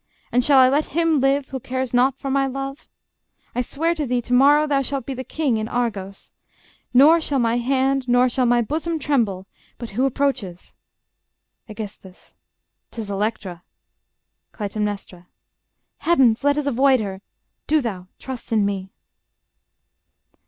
And shall I let him live Who cares not for my love? I swear to thee, To morrow thou shalt be the king in Argos. Nor shall my hand, nor shall my bosom tremble ... But who approaches? Aegis. 'Tis Electra ... Cly. Heavens! Let us avoid her. Do thou trust in me.